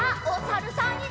おさるさん。